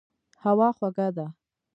هوا خوږه ده.